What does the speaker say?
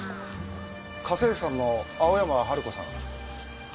家政婦さんの青山春子さん。